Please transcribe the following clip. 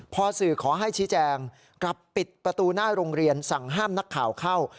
พอสื่อขอให้ชี้แจงกลับปิดประตูหน้าโรงเรียนสั่งห้ามนักข่าวเข้า